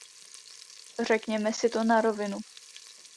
Řekněme si to na rovinu.